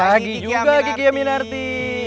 pagi juga kiki aminarti